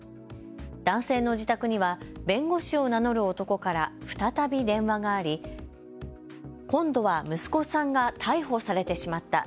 男性の自宅には弁護士を名乗る男から再び電話があり今度は息子さんが逮捕されてしまった。